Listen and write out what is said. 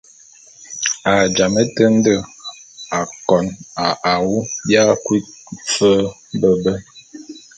A jamé te nde akon a awu bia kui fe be be.